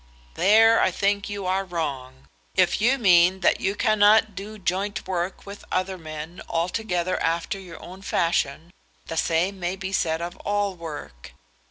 "There I think you are wrong. If you mean that you cannot do joint work with other men altogether after your own fashion the same may be said of all work.